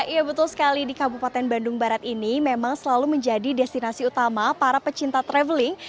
ya betul sekali di kabupaten bandung barat ini memang selalu menjadi destinasi utama para pecinta traveling